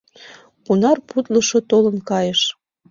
Кунар путлышо толын кайыш!..